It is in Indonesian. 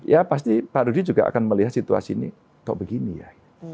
ya pasti pak rudi juga akan melihat situasi ini kok begini ya